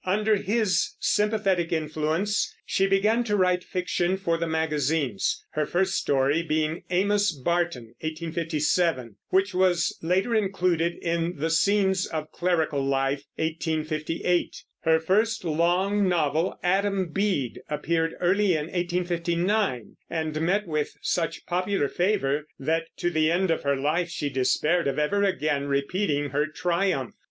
Under his sympathetic influence she began to write fiction for the magazines, her first story being "Amos Barton" (1857), which was later included in the Scenes of Clerical Life (1858). Her first long novel, Adam Bede, appeared early in 1859 and met with such popular favor that to the end of her life she despaired of ever again repeating her triumph.